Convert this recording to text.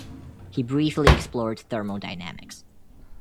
He briefly explored thermodynamics.